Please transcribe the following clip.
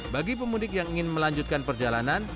bagi pemudik yang ingin melanjutkan perjalanan